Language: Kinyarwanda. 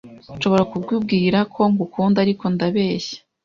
Nshobora kukubwira ko ngukunda, ariko ndabeshya.